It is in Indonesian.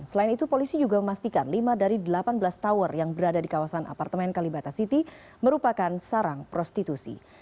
selain itu polisi juga memastikan lima dari delapan belas tower yang berada di kawasan apartemen kalibata city merupakan sarang prostitusi